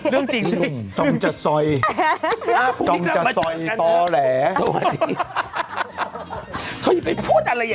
เรื่องจริงจำจะซอยต่อแหล